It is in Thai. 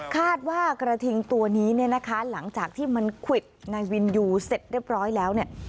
คาดว่ากระทิงตัวนี้เนี่ยนะคะหลังจากที่มันควิดนายวินยูเสร็จเรียบร้อยแล้วเนี่ย